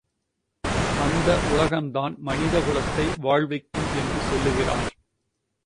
அந்த உலகந்தான் மனித குலத்தை வாழ்விக்கும் என்று சொல்லுகிறார்.